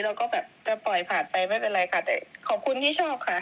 แล้วก็แบบจะปล่อยผ่านไปไม่เป็นไรค่ะแต่ขอบคุณที่ชอบค่ะ